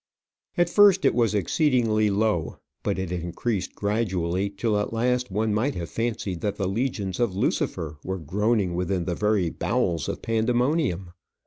At first it was exceedingly low, but it increased gradually, till at last one might have fancied that the legions of Lucifer were groaning within the very bowels of Pandemonium.